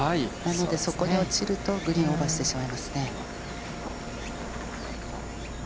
そこに落ちると、グリーンをオーバーしてしまいますね。